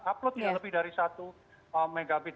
uploadnya lebih dari satu megabit